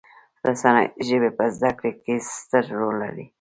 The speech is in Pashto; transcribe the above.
رسنۍ د ژبې په زده کړې کې ستر رول لري.